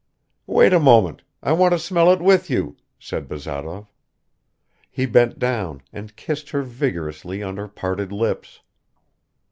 "Wait a moment; I want to smell it with you," said Bazarov; he bent down and kissed her vigorously on her parted lips.